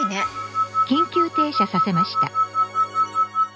「緊急停車させました」。